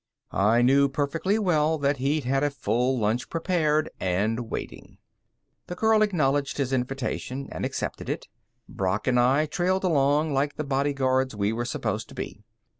I knew perfectly well that he'd had a full lunch prepared and waiting. The girl acknowledged his invitation and accepted it. Brock and I trailed along like the bodyguards we were supposed to be.